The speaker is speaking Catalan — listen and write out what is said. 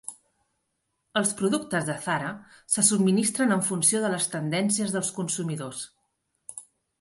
Els productes de Zara se subministren en funció de les tendències dels consumidors.